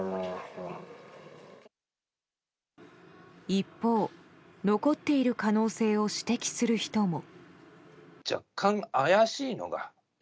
一方、残っている可能性を指摘する人も。